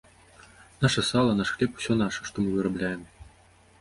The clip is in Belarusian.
Наша сала, наш хлеб, усё наша, што мы вырабляем.